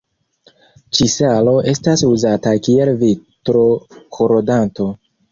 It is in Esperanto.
Ĉi-salo estas uzata kiel vitro-korodanto.